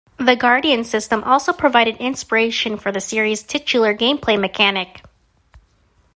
The Guardian system also provided inspiration for the series' titular gameplay mechanic.